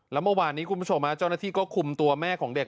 แล้วเมื่อวานนี้คุณผู้ชมเจ้าหน้าที่ก็คุมตัวแม่ของเด็ก